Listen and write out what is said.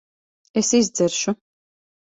Es izdzeršu.